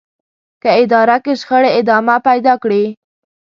که اداره کې شخړې ادامه پيدا کړي.